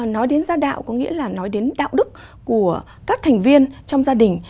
nói đến gia đạo có nghĩa là nói đến đạo đức của các thành viên trong gia đình